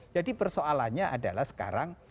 jadi persoalannya adalah sekarang